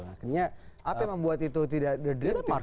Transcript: apa yang membuat itu tidak the dream team